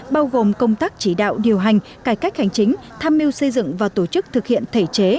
bao gồm công tác chỉ đạo điều hành cải cách hành chính tham mưu xây dựng và tổ chức thực hiện thể chế